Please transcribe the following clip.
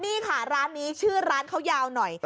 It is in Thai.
นี่ค่ะร้านนี้ชื่อร้านเขายาวหน่อย